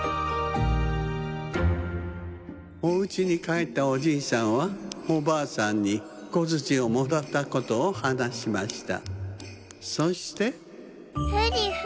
おうちにかえったおじいさんはおばあさんにこづちをもらったことをはなしました。